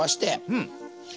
うん。